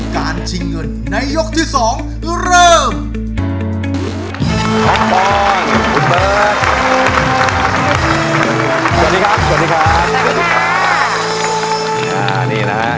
การชิงเงินในยกที่สองเริ่ม